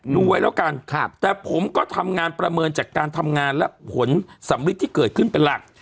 ดูไว้แล้วกันแต่ผมก็ทำงานประเมินจากการทำงานและผลสำริดที่เกิดขึ้นเป็นหลัก